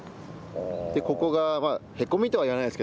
ここが、へこみとは言わないです